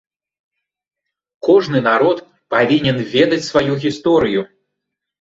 Кожны народ павінен ведаць сваю гісторыю.